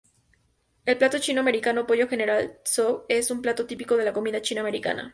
El plato chino-americano Pollo General Tso es un plato típico de la comida chino-americana.